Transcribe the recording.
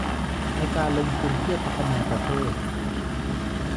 ในการลงทุนเพื่อพัฒนาประเทศ